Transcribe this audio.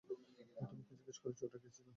তোমাকে জিজ্ঞেস করেছি, ওটা কে ছিল?